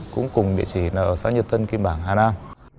cũng cùng địa chỉ là ở xã nhật tân kim bảng hà nam